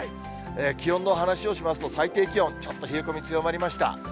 気温の話をしますと、最低気温、ちょっと冷え込み強まりました。